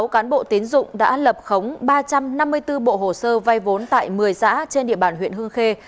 sáu cán bộ tiến dụng đã lập khống ba trăm năm mươi bốn bộ hồ sơ vay vốn tại một mươi xã trên địa bàn huyện hương khê